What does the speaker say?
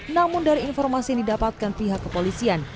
namun dari informasi yang didapatkan pihak kepolisian